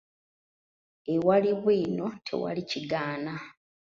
Ewali bwino tewali kigaana.